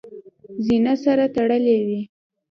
زینه سره تړلې وي .